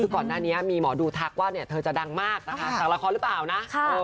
ก่อนหน้านี้มีหมอดูทักว่าเธอจะดังมากนะคะ